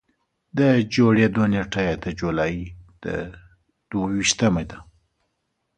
د جوړېدو نېټه یې د جولایي د دوه ویشتمه ده.